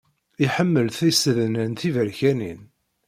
Iḥemmel tisednan tiberkanin.